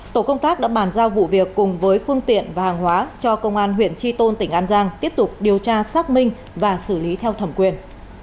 tổ công tác đã bàn giao vụ việc cùng với phương tiện và hàng hóa cho công an huyện tri tôn tỉnh an giang tiếp tục điều tra xác minh và xử lý theo thẩm quyền